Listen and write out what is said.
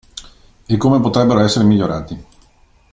E come potrebbero essere migliorati.